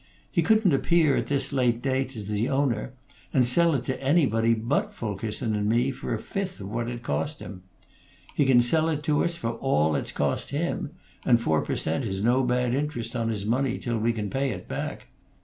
He couldn't appear at this late day as the owner, and sell it to anybody but Fulkerson and me for a fifth of what it's cost him. He can sell it to us for all it's cost him; and four per cent. is no bad interest on his money till we can pay it back.